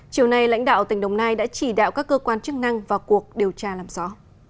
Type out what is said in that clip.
chiều nay lãnh đạo tỉnh đồng nai đã chỉ đạo các cơ quan chức năng vào cuộc điều tra làm rõ